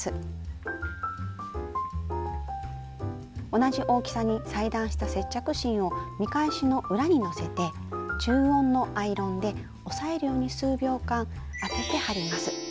同じ大きさに裁断した接着芯を見返しの裏にのせて中温のアイロンで押さえるように数秒間あてて貼ります。